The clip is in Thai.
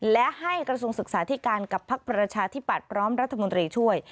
และให้กระทรวงศึกษาธิการกับพักประชาธิปัตย์พร้อมรัฐมนตรีช่วย